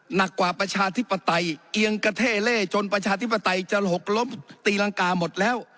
หนักกว่าประชาธิปไตยเอียงกระเท่เล่จนประชาธิปไตยจะหกล้มตีรังกาหมดแล้ว